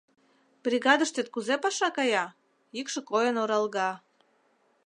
— Бригадыштет кузе паша кая? — йӱкшӧ койын оралга.